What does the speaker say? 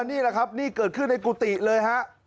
นี่แหละครับนี่เกิดขึ้นในกุฏิเลยฮะ